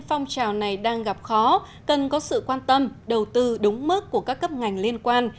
phong trào này đang gặp khó cần có sự quan tâm đầu tư đúng mức của các cấp ngành liên quan